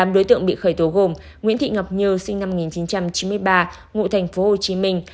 tám đối tượng bị khởi tố gồm nguyễn thị ngọc như sinh năm một nghìn chín trăm chín mươi ba ngụ thành phố hồ chí minh